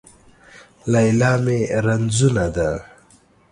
ليلا مې رنځونه ده